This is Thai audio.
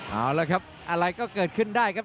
เอาละครับอะไรก็เกิดขึ้นได้ครับ